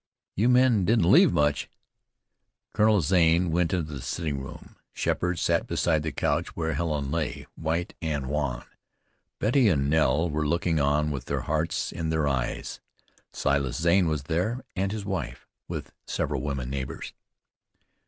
you men didn't leave much." Colonel Zane went into the sitting room. Sheppard sat beside the couch where Helen lay, white and wan. Betty and Nell were looking on with their hearts in their eyes. Silas Zane was there, and his wife, with several women neighbors.